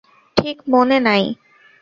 ঠিক মনে নেই।